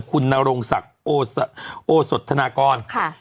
คุณนโรงศักดิ์โอสธนากร